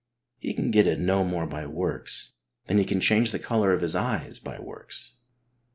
He can get it no more by works than he can change the colour of his eyes by works.